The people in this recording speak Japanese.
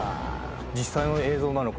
実際の映像なのか